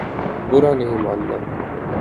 برا نہیں ماننا